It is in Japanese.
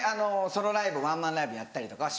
ソロライブワンマンライブやったりとかはしました。